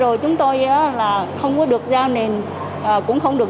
nhờ đến vụ án không khách quan không đúng pháp luật xâm hại đến quyền và lợi ích hợp pháp của nhiều người